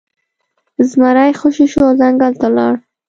زمری خوشې شو او ځنګل ته لاړ.